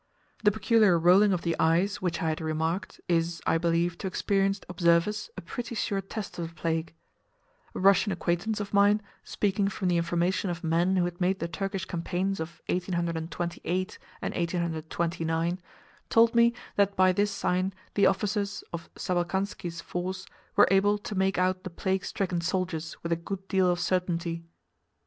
The peculiar rolling of the eyes which I had remarked is, I believe, to experienced observers, a pretty sure test of the plague. A Russian acquaintance, of mine, speaking from the information of men who had made the Turkish campaigns of 1828 and 1829, told me that by this sign the officers of Sabalkansky's force were able to make out the plague stricken soldiers with a good deal of certainty.